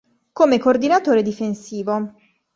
Come coordinatore difensivo